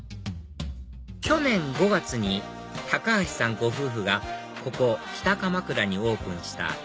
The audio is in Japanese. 去年５月に高橋さんご夫婦がここ北鎌倉にオープンした